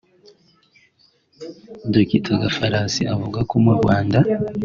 Dr Gafarasi avuga ko mu Rwanda